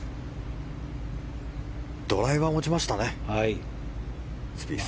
ドライバーを持ちましたねスピース。